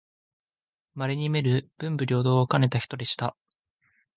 まれにみる文理両方をかねた人でした